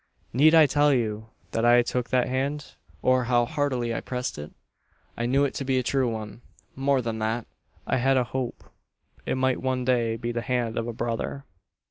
"Need I tell you that I took that hand? Or how heartily I pressed it? I knew it to be a true one; more than that, I had a hope it might one day be the hand of a brother.